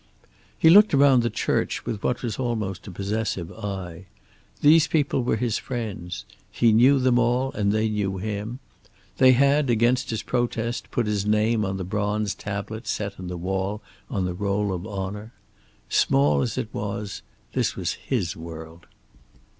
He looked around the church with what was almost a possessive eye. These people were his friends. He knew them all, and they knew him. They had, against his protest, put his name on the bronze tablet set in the wall on the roll of honor. Small as it was, this was his world.